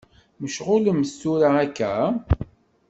Mecɣulemt tura akka?